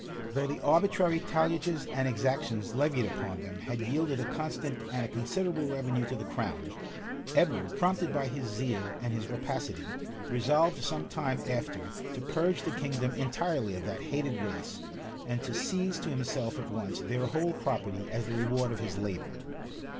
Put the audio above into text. Though the arbitrary talliages and exactions levied upon them had yielded a constant and a considerable revenue to the crown, Edward prompted by his zeal and his rapacity, resolved some time after[*] to purge the kingdom entirely of that hated race, and to seize to himself at once their whole property as the reward of his labor.